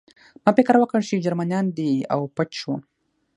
ما فکر وکړ چې جرمنان دي او پټ شوم